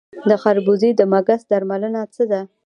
د خربوزې د مګس درملنه څه ده؟